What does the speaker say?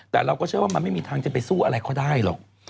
แต่เราก็เชื่อว่ามันไม่มีทางจะไปสู้อะไรเขาได้หรอก